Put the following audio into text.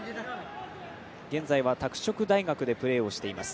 現在は、拓殖大学でプレーをしています。